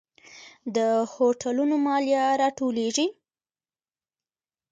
د هوټلونو مالیه راټولیږي؟